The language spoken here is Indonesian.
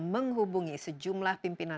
menghubungi sejumlah pimpinan